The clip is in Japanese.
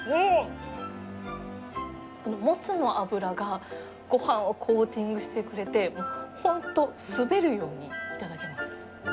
モツの脂がごはんをコーティングしてくれて、本当、滑るようにいただけます。